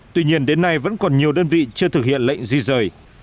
tuy nhiên đến nay vẫn còn nhiều đơn vị chưa thực hiện lệnh di rời